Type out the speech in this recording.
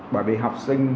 bởi vì học sinh